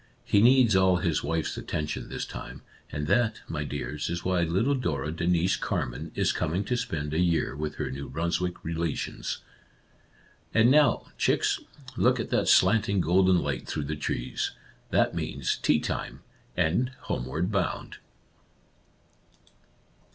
He needs all his wife's attention this time, and that, my dears, is why little Dora Denise Carman is coming to spend a year with her New Brunswick relations. " And now, chicks, look at that slanting, golden light through the trees. That means tea time, and homeward bound